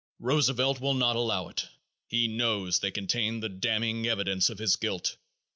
Roosevelt will not allow it; he knows they contain the damning evidence of his guilt.